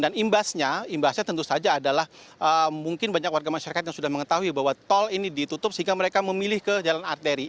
dan imbasnya imbasnya tentu saja adalah mungkin banyak warga masyarakat yang sudah mengetahui bahwa tol ini ditutup sehingga mereka memilih ke jalan arteri